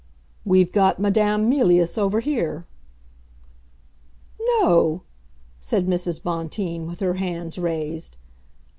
"We've got Madame Mealyus over here." "No!" said Mrs. Bonteen, with her hands raised.